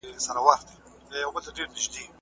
یو ناڅاپه سوه را ویښه